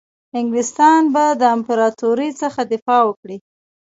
انګلیسیان به د امپراطوري څخه دفاع وکړي.